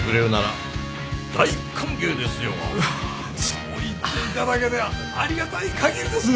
そう言っていただけてありがたいかぎりです。